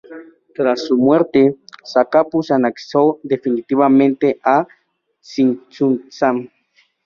Tras su muerte, Zacapu se anexó definitivamente a Tzintzuntzan.